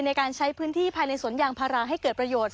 ในการใช้พื้นที่ภายในสวนยางพาราให้เกิดประโยชน์